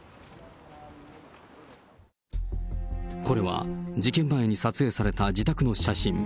これは事件前に撮影された自宅の写真。